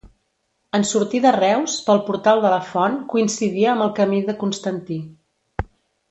En sortir de Reus, pel portal de la Font, coincidia amb el camí de Constantí.